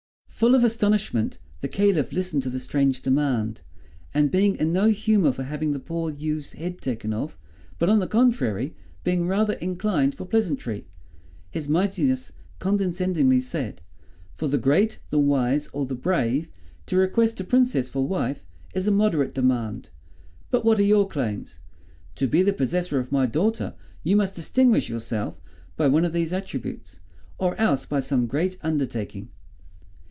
Full of astonishment the Caliph listened to the strange demand, and being in no humor for having the poor youth's head taken off, but on the contrary, being rather inclined for pleasantry, his Mightiness condescendingly said: "For the great, the wise, or the brave, to request a Princess for wife, is a moderate demand; but what are your claims? To be the possessor of my daughter you must distinguish yourself by one of these attributes, or else by some great undertaking.